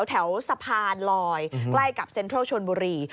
แถวสะพานลอยใกล้กับเซ็นทรัลชนบุรี